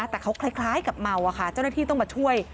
แต่เขาคล้ายกับเมาอะค่ะเจ้าหน้าที่ต้องมาช่วย